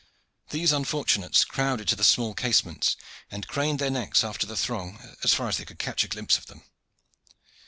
These unfortunates crowded to the small casements, and craned their necks after the throng as far as they could catch a glimpse of them.